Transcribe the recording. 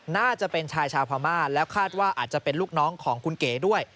น่าจะเป็นชายชาวพม่าแล้วคาดว่าอาจจะเป็นลูกน้องของคุณเก๋ด้วย